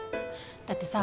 だってさ